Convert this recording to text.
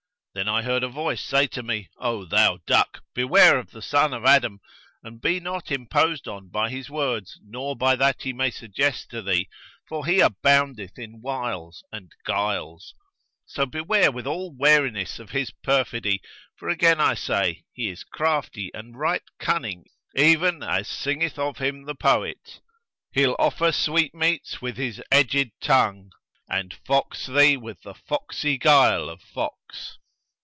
Then I heard a voice say to me, 'O thou duck, beware of the son of Adam and be not imposed on by his words nor by that he may suggest to thee; for he aboundeth in wiles and guiles; so beware with all wariness of his perfidy, for again I say, he is crafty and right cunning even as singeth of him the poet, He'll offer sweetmeats with his edgčd tongue, * And fox thee with the foxy guile of fox.